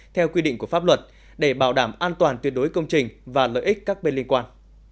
theo quy định của pháp luật để bảo đảm an toàn tuyệt đối công trình và lợi ích các bên liên quan